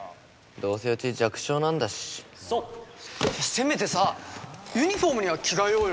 せめてさユニフォームには着替えようよ。